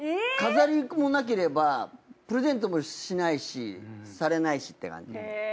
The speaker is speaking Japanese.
飾りもなければプレゼントもしないしされないしって感じ。